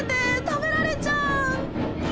食べられちゃう！